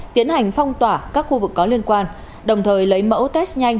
tiến hành phong tỏa các khu vực có liên quan đồng thời lấy mẫu test nhanh